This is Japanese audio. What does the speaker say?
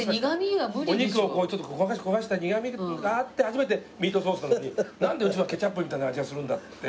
お肉を焦がした苦みがあって初めてミートソースなのになんでうちはケチャップみたいな味がするんだって。